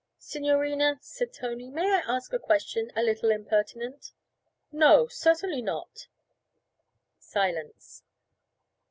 'Signorina,' said Tony, 'may I ask a question, a little impertinent?' 'No, certainly not.' Silence.